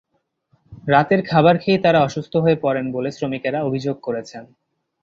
রাতের খাবার খেয়েই তাঁরা অসুস্থ হয়ে পড়েন বলে শ্রমিকেরা অভিযোগ করেছেন।